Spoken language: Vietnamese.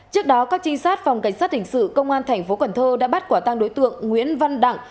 trước đó các trinh sát phòng cảnh sát hình sự công an thành phố cần thơ đã bắt quả tăng đối tượng nguyễn văn đặng